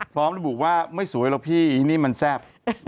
พร้อมระบุว่าไม่สวยหรอกพี่นี่มันแซ่บ